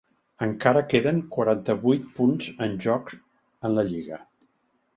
Encara queden quaranta-vuit punts en joc en la lliga.